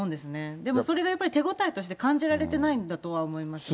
でもそれがやっぱり手応えとして感じられてないんだとは思います。